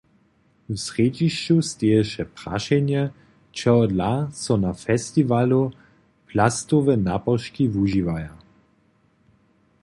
W srjedźišću steješe prašenje, čehodla so na festiwalu plastowe nopaški wužiwaja.